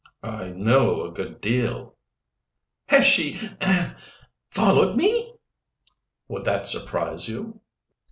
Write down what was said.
"I know a good deal." "Has she ahem! followed me?" "Would that surprise you?"